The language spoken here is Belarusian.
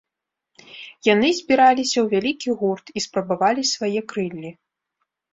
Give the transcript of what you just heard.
Яны збіраліся ў вялікі гурт і спрабавалі свае крыллі.